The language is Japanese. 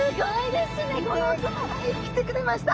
でかい！来てくれました！